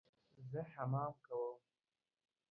زه حمام کوم